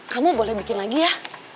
kamu boleh bikin lagi ya